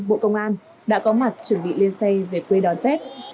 bộ công an đã có mặt chuẩn bị liên xây về quê đón tết